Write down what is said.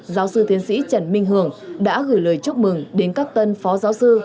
giáo sư thiến sĩ trần minh hường đã gửi lời chúc mừng đến các tân phó giáo sư